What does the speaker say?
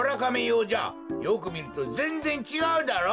よくみるとぜんぜんちがうだろう！